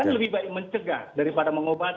lebih baik mencegah daripada mengobati